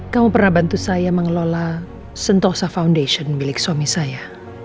kamu pernah bantu saya mengelola sentosa foundation milik suami saya